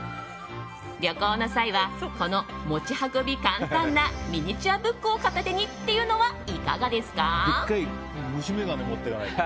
旅行の際は、この持ち運び簡単なミニチュアブックを片手にっていうのはいかがですか？